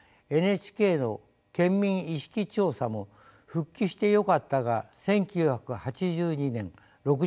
ＮＨＫの県民意識調査も「復帰してよかった」が１９８２年６３％